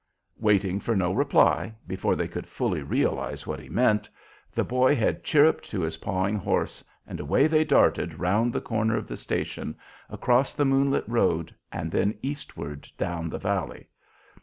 Waiting for no reply, before they could fully realize what he meant, the boy had chirruped to his pawing horse and away they darted round the corner of the station, across the moonlit road, and then eastward down the valley.